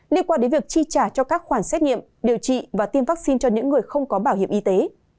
liên quan đến việc chi trả cho các khoản xét nghiệm điều trị và tiêm vaccine cho những người không có bảo hiểm y tế